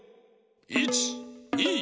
１２